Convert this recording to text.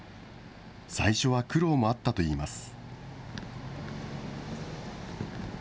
最初は苦労もあったといいます。